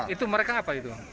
itu mereka apa itu